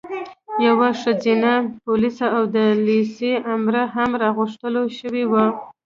یوه ښځینه پولیسه او د لېسې امره هم راغوښتل شوې وه.